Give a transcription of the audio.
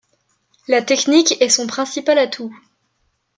La technique est son principal atout.